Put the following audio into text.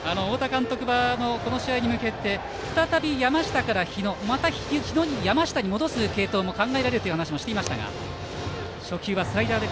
太田監督はこの試合に向けて再び山下から日野また山下に戻す継投も考えられると話していました。